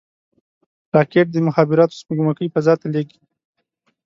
راکټ د مخابراتو سپوږمکۍ فضا ته لیږي